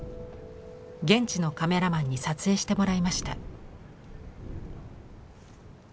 現地のカメラマンに撮影してもらいました。